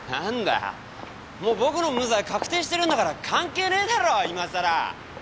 もう無罪は確定してるんだから関係ねえだろ今さら？